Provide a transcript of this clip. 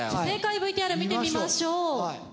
正解ＶＴＲ見てみましょう。